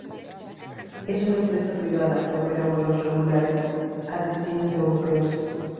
Es una empresa privada que opera vuelos regulares a destinos europeos.